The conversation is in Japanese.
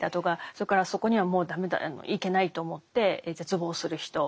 それからそこにはもう駄目だいけないと思って絶望する人。